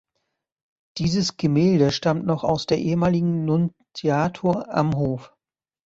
Dieses Gemälde stammt noch aus der ehemaligen Nuntiatur Am Hof.